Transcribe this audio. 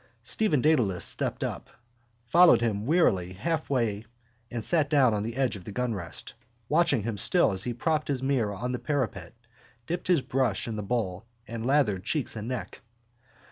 Stephen Dedalus stepped up, followed him wearily halfway and sat down on the edge of the gunrest, watching him still as he propped his mirror on the parapet, dipped the brush in the bowl and lathered cheeks and neck.